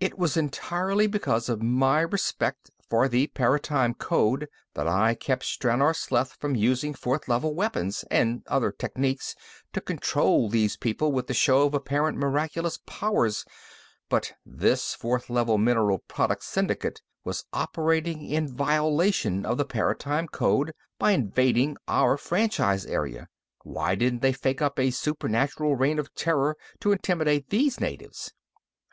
"It was entirely because of my respect for the Paratime Code that I kept Stranor Sleth from using Fourth Level weapons and other techniques to control these people with a show of apparent miraculous powers. But this Fourth Level Mineral Products Syndicate was operating in violation of the Paratime Code by invading our franchise area. Why didn't they fake up a supernatural reign of terror to intimidate these natives?"